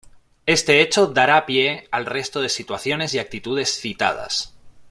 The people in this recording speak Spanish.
Este hecho dará pie al resto de situaciones y actitudes citadas.